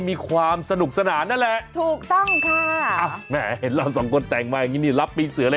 มากัดกระเทศสะบัดกับเราสองคนใน